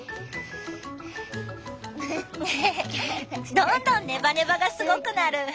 どんどんネバネバがすごくなる。